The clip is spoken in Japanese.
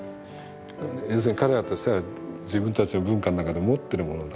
要するに彼らとしては自分たちの文化の中で持ってるものだからね。